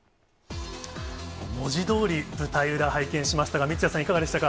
文字どおり、舞台裏、拝見しましたが、三屋さん、いかがでしたか。